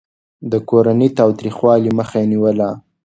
د کورني تاوتريخوالي مخه يې نيوله.